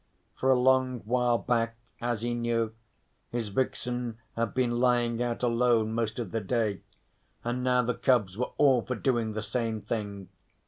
For a long while back, as he knew, his vixen had been lying out alone most of the day, and now the cubs were all for doing the same thing.